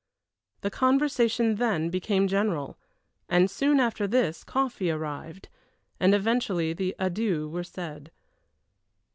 The conversation then became general, and soon after this coffee arrived, and eventually the adieux were said.